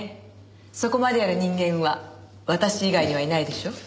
そこまでやる人間は私以外にはいないでしょう？